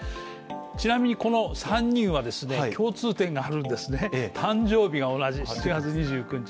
ちなみにこの３人はですね、共通点があるんですね誕生日が同じ７月２９日。